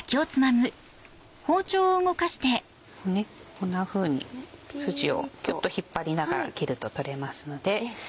こんなふうにスジをキュっと引っ張りながら切ると取れますので。